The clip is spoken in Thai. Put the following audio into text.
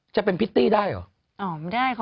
จะเป็นพริตตี้ได้เหรอ